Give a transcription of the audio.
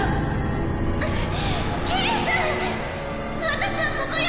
私はここよ！